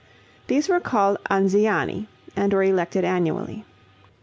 These were called Anziani, and were elected annually.